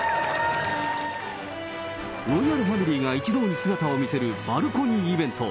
ロイヤルファミリーが一堂に姿を見せるバルコニーイベント。